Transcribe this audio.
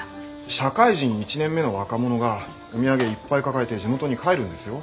社会人１年目の若者がお土産いっぱい抱えて地元に帰るんですよ？